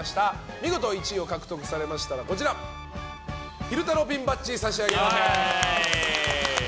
見事１位を獲得されましたら昼太郎ピンバッジを差し上げます。